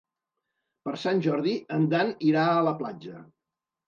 Per Sant Jordi en Dan irà a la platja.